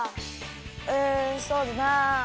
うんそうだな。